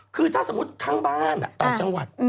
คือถ้าสมมุติทั้งบ้านต่างจังหวัด